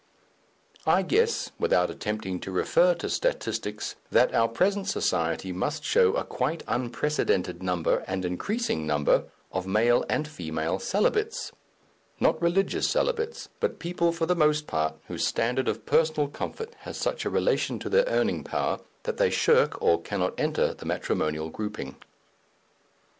I guess, without attempting to refer to statistics, that our present society must show a quite unprecedented number and increasing number of male and female celibates not religious celibates, but people, for the most part, whose standard of personal comfort has such a relation to their earning power that they shirk or cannot enter the matrimonial grouping.